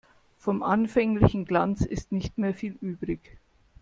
Vom anfänglichen Glanz ist nicht mehr viel übrig.